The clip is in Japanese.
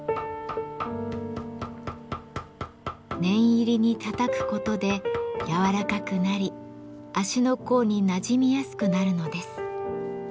念入りにたたくことで柔らかくなり足の甲になじみやすくなるのです。